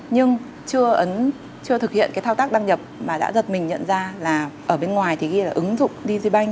nhưng chưa thực hiện cái thao tác đăng nhập mà đã giật mình nhận ra là ở bên ngoài thì ghi là ứng dụng digibank